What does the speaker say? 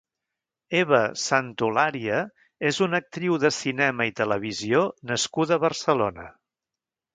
Eva Santolaria és una actriu de cinema i televisió nascuda a Barcelona.